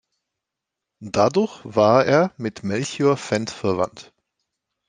Dadurch war er mit Melchior Fend verwandt.